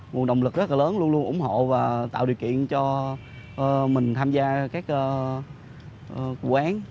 nguồn động lực rất là lớn luôn luôn ủng hộ và tạo điều kiện cho mình tham gia các vụ án